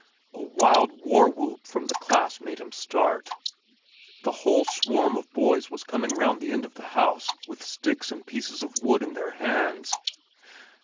A wild war whoop from the school made him start. The whole swarm of boys was coming round the end of the house with sticks and pieces of wood in their hands.